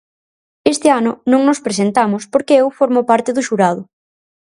Este ano non nos presentamos porque eu formo parte do xurado.